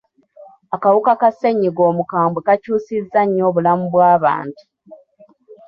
Akawuka ka ssenyiga omukambwe kakyusizza nnyo obulamu bw'abantu.